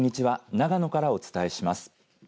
長野からお伝えします。